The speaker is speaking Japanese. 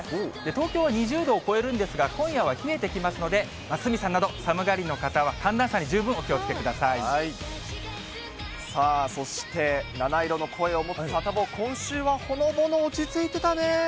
東京は２０度を超えるんですが、今夜は冷えてきますので、鷲見さんなど寒がりの方は、さあ、そして七色の声を持つサタボー、今週はほのぼの、落ち着いてたね。